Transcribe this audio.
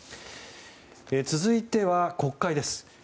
続いては、国会です。